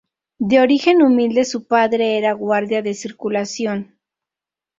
De origen humilde, su padre era guardia de circulación.